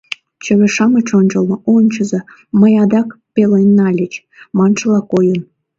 Чыве-шамыч ончылно «Ончыза, мыйым адак пелен нальыч» маншыла койын.